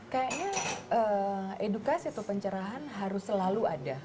kayaknya edukasi atau pencerahan harus selalu ada